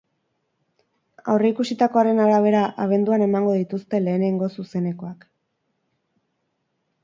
Aurreikusitakoaren arabera, abenduan emango dituzte lehenengo zuzenekoak.